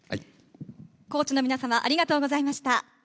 コーチの皆様、ありがとうございました。